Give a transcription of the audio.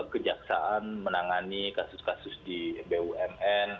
kejaksaan menangani kasus kasus di bumn